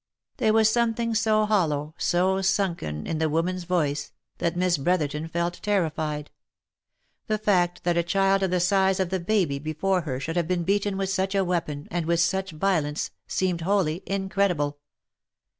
There was something so hollow, so sunken in the woman's voice, that Miss Brotherton felt terrified. The fact that a child of the size of the baby before her should have been beaten with such a weapon, and with such violence, seemed wholly incredible.